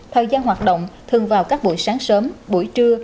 thời gian hoạt động thường vào các buổi sáng sớm buổi trưa